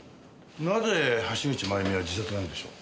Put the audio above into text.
なぜ橋口まゆみは自殺なんでしょう？